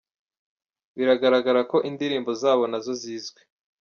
Biragaragara ko indirimbo zabo nazo zizwi.